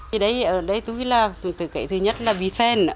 thì đây tôi là cái thứ nhất là vì fan